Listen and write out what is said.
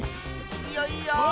いいよいいよ！